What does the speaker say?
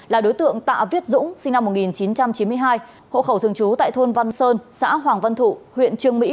là đối tượng tạ viết dũng sinh năm một nghìn chín trăm chín mươi hai hộ khẩu thường trú tại thôn văn sơn xã hoàng văn thụ huyện trương mỹ